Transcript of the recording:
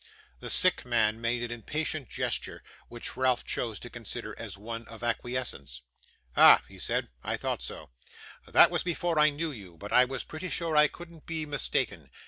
The sick man made an impatient gesture, which Ralph chose to consider as one of acquiescence. 'Ha!' he said, 'I thought so. That was before I knew you, but I was pretty sure I couldn't be mistaken.